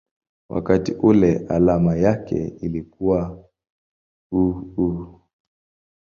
wakati ule alama yake ilikuwa µµ.